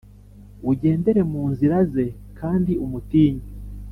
ugendere mu nzira ze kandi umutinye.